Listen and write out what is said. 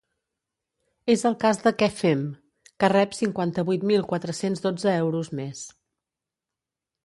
És el cas de Què fem?, que rep cinquanta-vuit mil quatre-cents dotze euros més.